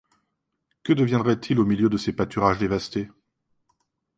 Que deviendraient-ils au milieu de ces pâturages dévastés?